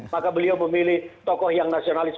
maka beliau memilih tokoh yang nasionalis